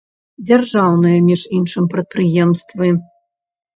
Дзяржаўныя, між іншым, прадпрыемствы!